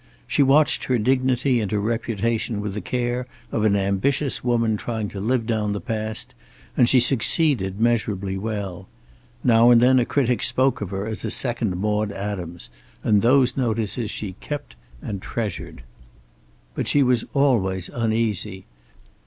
She watched her dignity and her reputation with the care of an ambitious woman trying to live down the past, and she succeeded measurably well. Now and then a critic spoke of her as a second Maude Adams, and those notices she kept and treasured. But she was always uneasy.